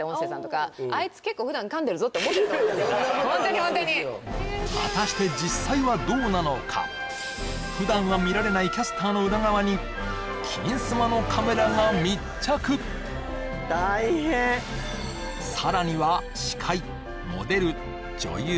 ホントにホントに果たして普段は見られないキャスターの裏側に「金スマ」のカメラが密着さらには司会モデル女優